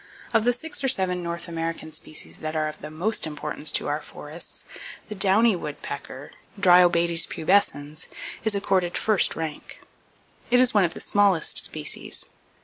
Of the six or seven North American species that are of the most importance to our forests, the Downy Woodpecker, (Dryobates pubescens) is accorded first rank. It is one of the smallest species.